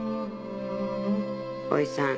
「おいさん